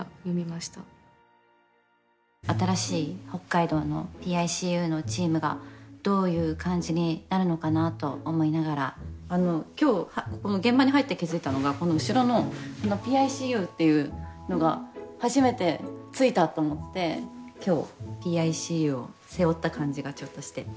新しい北海道のＰＩＣＵのチームがどういう感じになるのかなと思いながら今日この現場に入って気付いたのがこの後ろのＰＩＣＵっていうのが初めてついたと思って今日「ＰＩＣＵ」を背負った感じがちょっとしてワクワクしています。